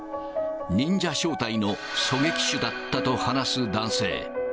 忍者小隊の狙撃手だったと話す男性。